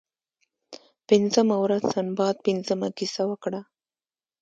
پنځمه ورځ سنباد پنځمه کیسه وکړه.